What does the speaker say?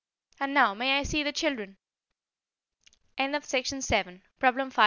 "And now may I see the children?" END OF PROBLEM V PROBLEM VI.